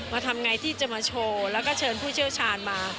ทำไงที่จะมาโชว์แล้วก็เชิญผู้เชี่ยวชาญมา